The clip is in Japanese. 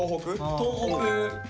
東北。